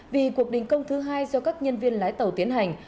vì cuộc đình công thứ hai do các nhân viên lái tàu tiến hành